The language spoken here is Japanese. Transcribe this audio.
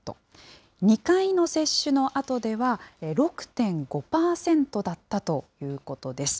２回の接種のあとでは６．５％だったということです。